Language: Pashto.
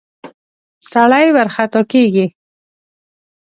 سړی ورخطا کېږي.